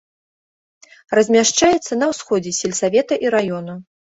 Размяшчаецца на ўсходзе сельсавета і раёна.